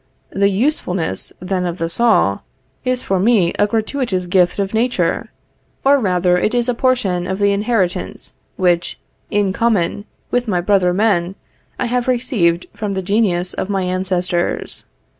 The usefulness then of the saw, is for me a gratuitous gift of nature, or rather it is a portion of the inheritance which, in common with my brother men, I have received from the genius of my ancestors.